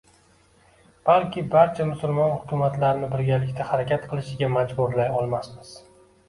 Balki barcha musulmon hukumatlarini birgalikda harakat qilishga majburlay olmasmiz